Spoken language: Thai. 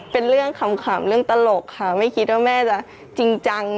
เป็นเรื่องขำเรื่องตลกค่ะไม่คิดว่าแม่จะจริงจัง